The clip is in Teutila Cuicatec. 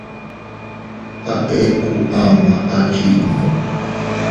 A eku ama a chinnu.